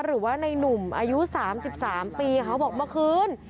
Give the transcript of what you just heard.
หรือว่าในนุ่มอายุ๓๓ปีเขาบอกเมื่อคืน